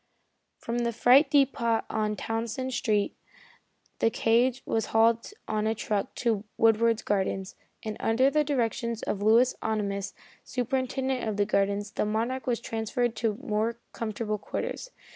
From the freight depot on Townsend Street the cage was hauled on a truck to Woodward's Gardens, and under the directions of Louis Ohnimus, superintendent of the gardens, the Monarch was transferred to more comfortable quarters.